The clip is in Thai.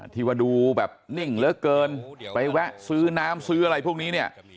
ที่ว่าดูแบบนิ่งเหลือเกินไปแวะซื้อน้ำซื้ออะไรพวกนี้เนี่ย